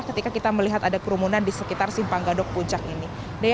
ketika kita melihat ada kerumunan di sekitar simpang gadok puncak ini